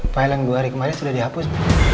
file yang dua hari kemarin sudah dihapus